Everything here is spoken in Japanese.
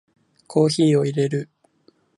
コーヒーを淹れる